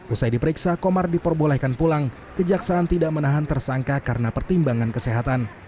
usai diperiksa komar diperbolehkan pulang kejaksaan tidak menahan tersangka karena pertimbangan kesehatan